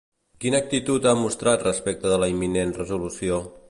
Quina actitud ha mostrat respecte de la imminent resolució?